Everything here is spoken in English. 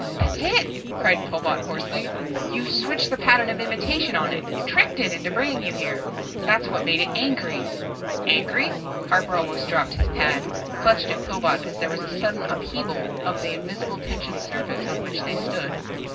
"That's it!" cried Pillbot hoarsely. "You switched the pattern of imitation on It tricked It into bringing you here. That's what made it angry " "Angry?" Harper almost dropped his pad, clutched at Pillbot as there was a sudden upheaval of the invisible tension surface on which they stood.